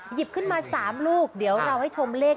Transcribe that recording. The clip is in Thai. หยิบขึ้นมา๓ลูกเดี๋ยวเราให้ชมเลข